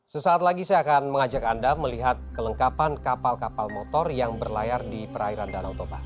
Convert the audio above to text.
sesaat lagi saya akan mengajak anda melihat kelengkapan kapal kapal motor yang berlayar di perairan danau toba